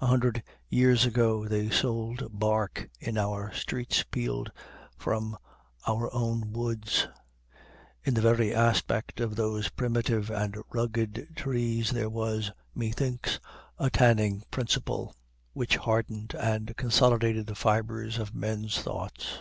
A hundred years ago they sold bark in our streets peeled from our own woods. In the very aspect of those primitive and rugged trees, there was, methinks, a tanning principle which hardened and consolidated the fibers of men's thoughts.